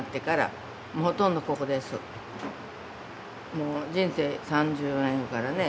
もう人生３０年やからね